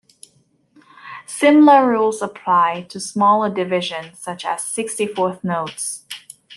Similar rules apply to smaller divisions such as sixty-fourth notes.